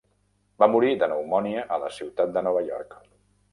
Va morir de pneumònia a la ciutat de Nova York.